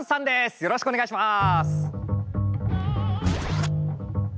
よろしくお願いします。